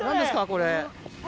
これ。